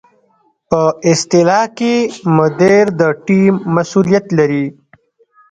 په اصطلاح کې مدیر د ټیم مسؤلیت لري.